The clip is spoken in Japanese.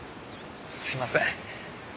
すいません。